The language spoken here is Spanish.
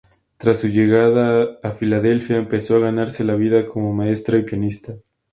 Tras su llegada a Filadelfia empezó a ganarse la vida como maestra y pianista.